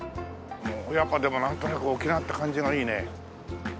やっぱでもなんとなく沖縄って感じがいいね。